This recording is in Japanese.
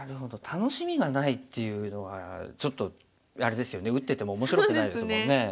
楽しみがないっていうのはちょっとあれですよね打ってても面白くないですもんね。